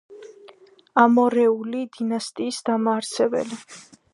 ამორეული დინასტიის დამაარსებელი.